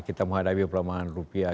kita menghadapi perlombangan rupiah